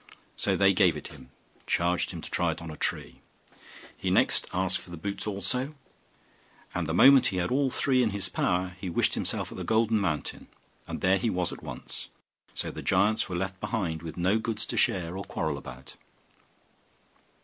So they gave it him, charging him to try it on a tree. He next asked for the boots also; and the moment he had all three in his power, he wished himself at the Golden Mountain; and there he was at once. So the giants were left behind with no goods to share or quarrel about.